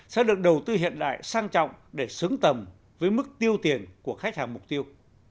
sẽ được đầu tư hiện đại sang trọng để xứng tầm với mức tiêu tiền của khách hàng mục tiêu